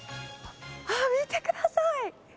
見てください！